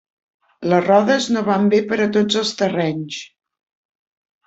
Les rodes no van bé per a tots els terrenys.